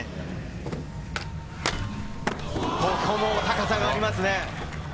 ここも高さがありますね。